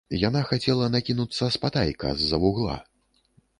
Яна хацела накінуцца спатайка, з-за вугла.